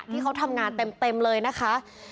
ที่เขาทำงานเต็มเลยนะคะ